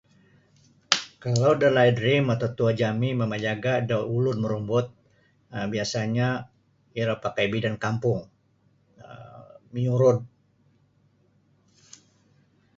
Kalau dalaid ri matutuo jami mamajaga da ulun marumbut um biasa'nyo iro pakai bidan kampung um miurud.